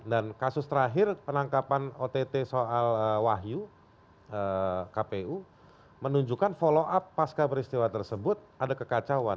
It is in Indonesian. dan kasus terakhir penangkapan ott soal wahyu kpu menunjukkan follow up pasca peristiwa tersebut ada kekacauan